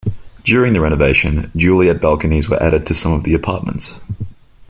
During the renovation juliet balconies were added to some of the apartments.